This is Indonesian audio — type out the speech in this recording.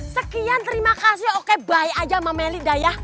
sekian terima kasih oke bye aja sama meli dah ya